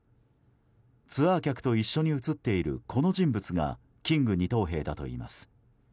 ツアー客と一緒に写っているこの人物がキング二等兵だといいます。